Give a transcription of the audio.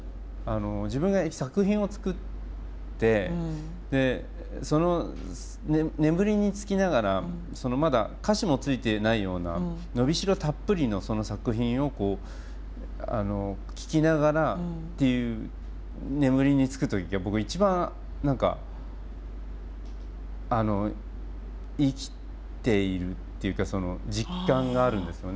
自分が作品を作って眠りにつきながらまだ歌詞もついていないような伸びしろたっぷりのその作品を聴きながらっていう眠りにつく時が僕一番何かあの生きているっていうかその実感があるんですよね。